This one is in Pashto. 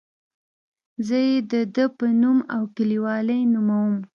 زه یې د ده په نوم او لیکلوالۍ نوموم.